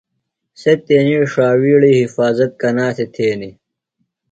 سےۡ تیݨی ݜاوِیڑیۡ حفاظت کنا تھےۡ تھینیۡ؟